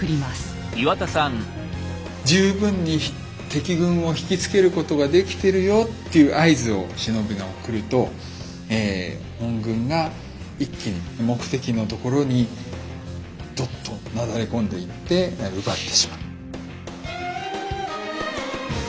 十分に敵軍を引き付けることができてるよっていう合図を忍びが送ると本軍が一気に目的のところにどっとなだれ込んでいって奪ってしまう。